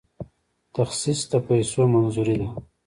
تخصیص د پیسو منظوري ده